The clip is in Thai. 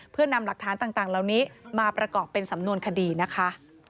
เพื่อนำหลักฐานต่างเหล่านี้มาประกอบเป็นสำนวนคดีนะคะ